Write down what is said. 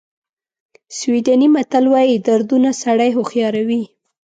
سویډني متل وایي دردونه سړی هوښیاروي.